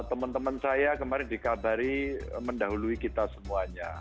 temen temen saya kemarin dikabari mendahului kita semuanya